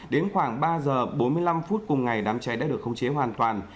đến khoảng ba giờ bốn mươi năm phút cùng ngày đám cháy đã được khống chế hoàn toàn